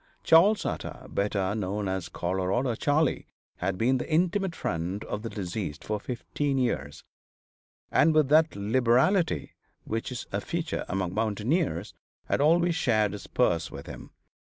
Charles Utter, better known as Colorado Charley, had been the intimate friend of the deceased for fifteen years, and with that liberality which is a feature among mountaineers, had always shared his purse with him.